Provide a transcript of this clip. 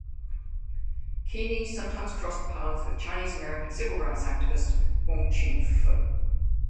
Kearny sometimes crossed paths with Chinese-American civil rights activist Wong Chin Foo.